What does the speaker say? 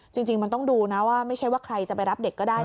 จริงมันต้องดูนะว่าไม่ใช่ว่าใครจะไปรับเด็กก็ได้